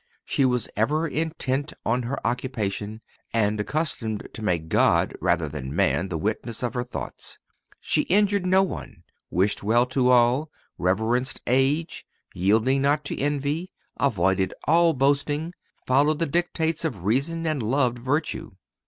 She was ever intent on her occupation, ... and accustomed to make God rather than man the witness of her thoughts. She injured no one, wished well to all, reverenced age, yielded not to envy, avoided all boasting, followed the dictates of reason and loved virtue.